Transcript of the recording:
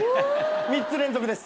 ３つ連続です。